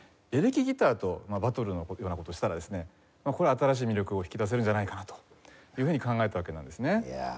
エレキギターとバトルのような事をしたらですねこれ新しい魅力を引き出せるんじゃないかなというふうに考えたわけなんですね。